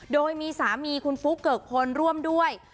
โดยมีสามีคุณฟุ๊กเกิกพลร่วมด้วย